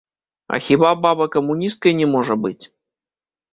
А хіба баба камуністкай не можа быць?